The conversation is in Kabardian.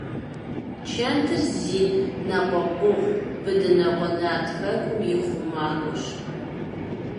«Чынтыр зи ныкъуэкъуэгъу» Бэдынокъуэ нарт хэкум и хъумакӏуэщ.